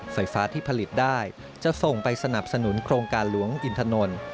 ไฟฟ้าที่ผลิตได้จะส่งไปสนับสนุนโครงการหลวงอินทนนท์